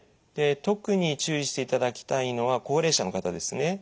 で特に注意していただきたいのは高齢者の方ですね。